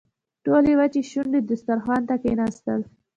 ټول وچې شونډې دسترخوان ته کښېناستل.